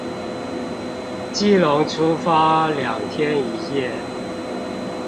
基隆出發兩天一夜